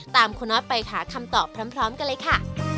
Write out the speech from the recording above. ตามคุณนอทไปหาคำตอบพร้อมกันเลยค่ะ